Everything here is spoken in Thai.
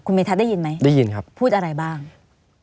คุณเมธัศน์ได้ยินไหมพูดอะไรบ้างได้ยินครับ